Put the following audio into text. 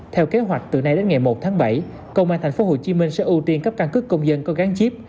theo kế hoạch từ nay đến ngày một tháng bảy công an tp hcm sẽ ưu tiên cấp căn cứ công dân có gắn chip